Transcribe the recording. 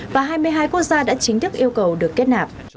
và hai mươi hai quốc gia đã chính thức yêu cầu được kết nạp